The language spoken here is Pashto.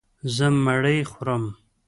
زه مړۍ خورم.